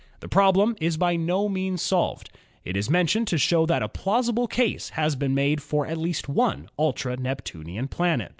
The problem is by no means solved. It is mentioned to show that a plausible case has been made out for at least one ultra Neptunian planet.